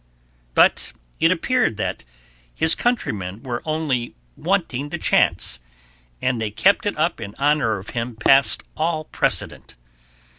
But it appeared that his countrymen were only wanting the chance, and they kept it up in honor of him past all precedent.